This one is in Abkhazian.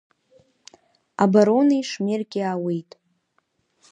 Абарони Шмеркеи ааиуеит.